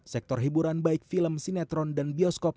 sektor hiburan baik film sinetron dan bioskop